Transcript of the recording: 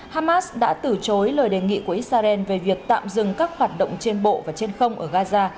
hamas đã từ chối lời đề nghị của israel về việc tạm dừng các hoạt động trên bộ và trên không ở gaza